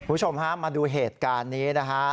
คุณผู้ชมฮะมาดูเหตุการณ์นี้นะฮะ